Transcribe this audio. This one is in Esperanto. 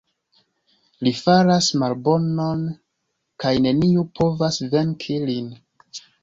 Li faras malbonon kaj neniu povas venki lin.